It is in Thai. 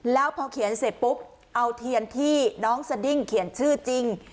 แล้วพอเขียนเสร็จปุ๊บเอาเทียนที่น้องสดิ้งเขียนชื่อจริง